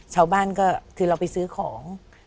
ชาวบ้านก็คือเราไปซื้อของ